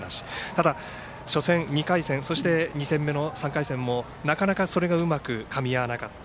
ただ、初戦、２回戦そして２戦目の３回戦も、なかなかそれがうまくかみ合わなかった。